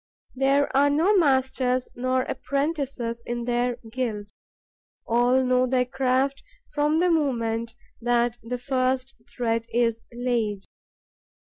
There are no masters nor apprentices in their guild; all know their craft from the moment that the first thread is laid.